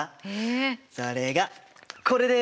それがこれです！